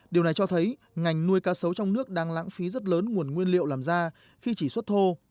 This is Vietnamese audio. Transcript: điều này cho thấy ngành nuôi cá sấu trong nước đang lãng phí rất lớn nguồn nguyên liệu làm ra khi chỉ xuất thô